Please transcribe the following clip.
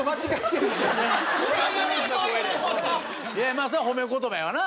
まあそれは褒め言葉やな。